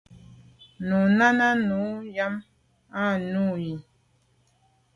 Nu Nana nu am à nu i.